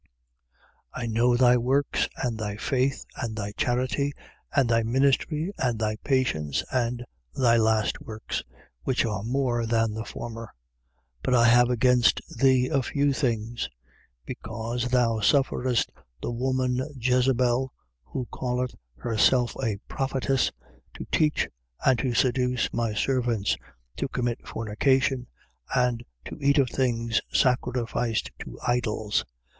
2:19. I know thy works and thy faith and thy charity and thy ministry and thy patience and thy last works, which are more than the former. 2:20. But I have against thee a few things: because thou sufferest the woman Jezabel, who calleth herself a prophetess, to teach and to seduce my servants, to commit fornication and to eat of things sacrificed to idols.